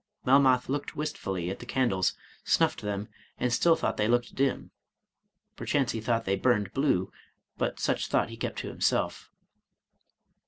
Melmoth looked wistfully at the candles, snuffed them, and still thought they looked dim, (perchance he thought they burned blue, but such thought he kept to himself).